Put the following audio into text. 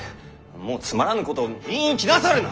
もうつまらぬことを言いに来なさるな！